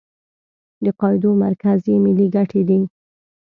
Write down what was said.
د قاعدو مرکز یې ملي ګټې دي.